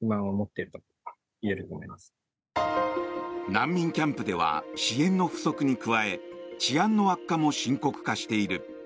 難民キャンプでは支援の不足に加え治安の悪化も深刻化している。